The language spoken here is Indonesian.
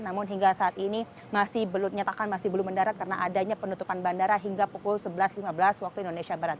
namun hingga saat ini masih belum dinyatakan masih belum mendarat karena adanya penutupan bandara hingga pukul sebelas lima belas waktu indonesia barat